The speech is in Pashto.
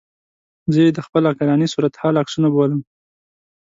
زه یې د خپل عقلاني صورتحال عکسونه بولم.